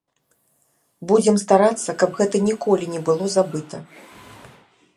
Будзем старацца, каб гэта ніколі не было забыта.